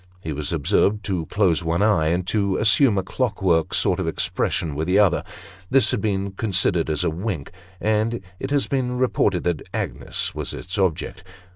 He was observed, to close one eye, and to assume a clock work sort of expression with the other ; this has been considered as a wink, and it has been reported that Agnes was its object.